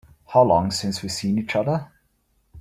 How long since we've seen each other?